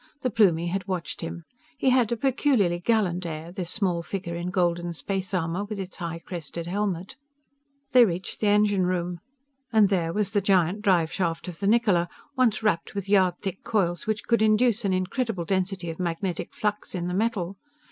The Plumie had watched him. He had a peculiarly gallant air, this small figure in golden space armor with its high crested helmet. They reached the engine room. And there was the giant drive shaft of the Niccola, once wrapped with yard thick coils which could induce an incredible density of magnetic flux in the metal.